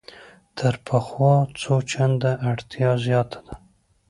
تر پخوا څو چنده اړتیا زیاته ده.